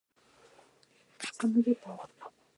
サムゲタン